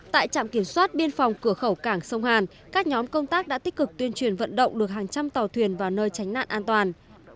tại trạm kiểm soát biên phòng cửa khẩu cảng sông hàn các nhóm công tác đã tích cực tuyên truyền vận động được hàng trăm tàu thuyền vào nơi tránh nạn an toàn